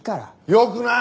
よくない！